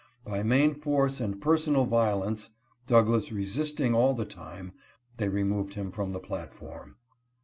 By main force and personal 24 INTRODUCTION. violence (Douglass resisting all the time) they removed him from the platform.